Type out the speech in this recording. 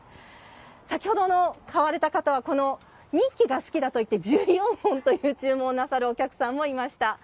先ほどの買われた方はにっきが好きだと言って１４本という注文をなさるお客さんもいました。